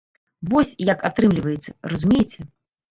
Вось, як атрымліваецца, разумееце?